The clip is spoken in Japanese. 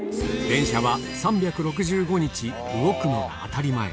電車は３６５日動くのが当たり前。